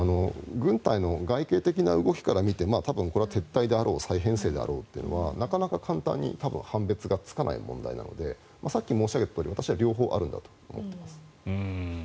軍隊の外形的な動きから見て多分これは撤退であろう再編成であろうというのはなかなか簡単に判別がつかないものなのでさっき申し上げたとおり私は両方あるんだと思っています。